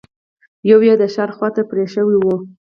يوه يې د ښار خواته پرې شوې وه.